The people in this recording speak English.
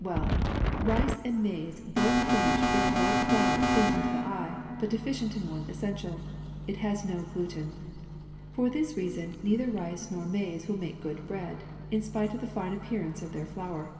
Well, rice and maize both fur nish very white flour pleasing to the eye but deficient in one essential: it has no gluten. For that reason neither rice nor maize will make good bread, in spite of the fine appearance of their flour.